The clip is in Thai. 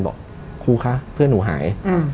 บอกครูคะเพื่อนหนูหาย